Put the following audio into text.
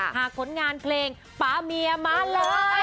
หากผลงานเพลงป๊าเมียมาเลย